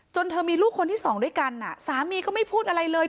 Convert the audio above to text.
เธอมีลูกคนที่สองด้วยกันสามีก็ไม่พูดอะไรเลย